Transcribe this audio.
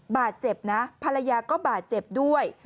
บาดเจ็บนะภรรยาก็บาดเจ็บด้วย